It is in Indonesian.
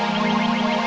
nanti keburu maghrib